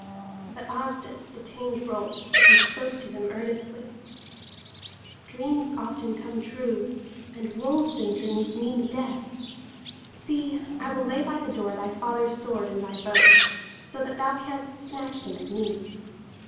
But Asdis detained Rolf, and spoke to him earnestly. "Dreams often come true, and wolves in dreams mean death. See, I will lay by the door thy father's sword and thy bow, so that thou canst snatch them at need.